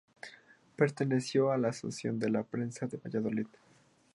Perteneció a la Asociación de la Prensa de Valladolid.